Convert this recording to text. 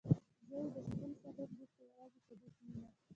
زه یې د شپون صاحب وروسته یوازې په ده کې وینم.